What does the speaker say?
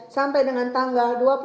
sampai dengan tanggal